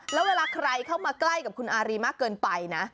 แล้วเวลาใครเข้ามาใกล้กับคุณอารีมากเกินไปนะ